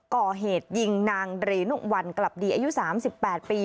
ก่อเหตุยิงนางเรนุวัลกลับดีอายุ๓๘ปี